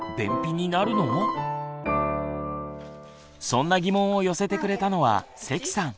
そんな疑問を寄せてくれたのは関さん。